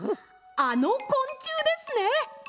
あのこんちゅうですね！